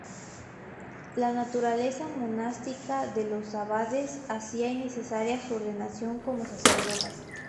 La naturaleza monástica de los abades, hacía innecesaria su ordenación como sacerdotes.